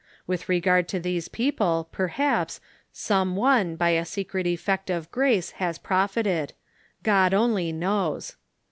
"With regard to these people, perhaps, some one by a secret effect of grace, has profited ; God only knows.